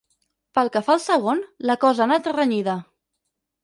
Pel que fa al segon, la cosa ha anat renyida.